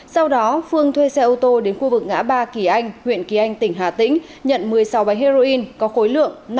sau đó phương thuê xe ô tô đến khu vực ngã ba kỳ anh huyện kỳ anh tỉnh hà tĩnh nhận một mươi sáu bánh heroin có khối lượng năm sáu mươi bốn kg